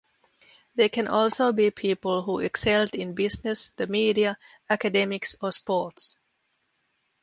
They can also be people who excelled in business, the media, academics or sports.